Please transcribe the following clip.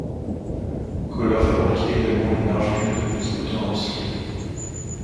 Kohler fabrique également une large gamme de petits moteurs industriels.